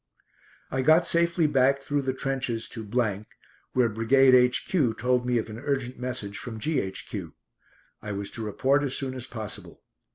I got safely back through the trenches to , where Brigade H.Q. told me of an urgent message from G.H.Q. I was to report as soon as possible.